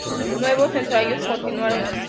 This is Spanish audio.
Nuevos ensayos continuaron.